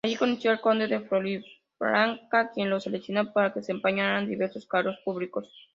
Allí conoció al Conde de Floridablanca, quien lo seleccionó para desempeñar diversos cargos públicos.